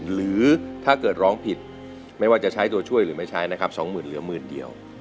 หรือถ้าเกิดร้องผิดไม่ว่าจะใช้ตัวช่วยหรือไม่ใช้นะครับ๒๐๐๐เหลือหมื่นเดียว